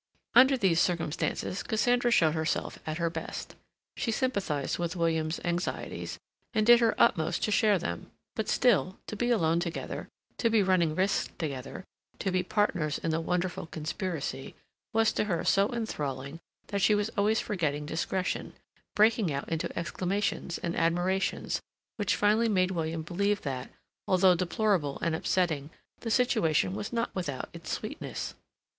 Under these circumstances Cassandra showed herself at her best. She sympathized with William's anxieties and did her utmost to share them; but still, to be alone together, to be running risks together, to be partners in the wonderful conspiracy, was to her so enthralling that she was always forgetting discretion, breaking out into exclamations and admirations which finally made William believe that, although deplorable and upsetting, the situation was not without its sweetness.